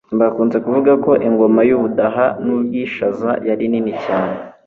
Bakunze kuvuga ko Ingoma y'u Budaha n'u Bwishaza yari nini cyane,